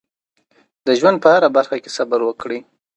د ژوند په هره برخه کې صبر وکړئ.